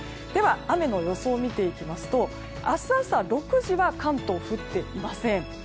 雨の予想を見ていきますと明日朝６時は関東、降っていません。